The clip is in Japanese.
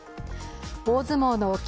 大相撲の霧